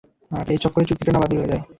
এই চক্করে চুক্তিটা না বাতিল হয়ে যায়।